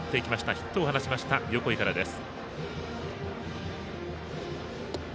ヒットを放ちました横井からです。